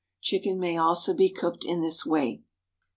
Chicken may also be cooked in this way.